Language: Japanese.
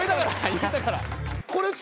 言えたから。